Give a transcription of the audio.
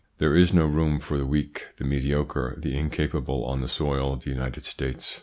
There is no room for the weak, the mediocre, the incapable on the soil of the United States.